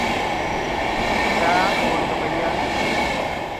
Zǝə, o adzo ya ?